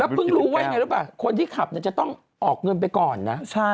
แล้วพึ่งรู้ปะคนที่ขับจะต้องออกเงินไปก่อนนะ